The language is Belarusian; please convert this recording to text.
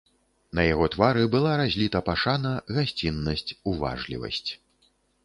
На яго твары была разліта пашана, гасціннасць, уважлівасць.